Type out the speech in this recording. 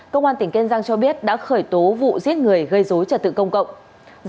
công an tỉnh kiên giang cho biết đã khởi tố vụ giết người gây dối trật tự công cộng